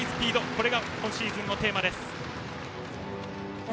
これが今シーズンのテーマです。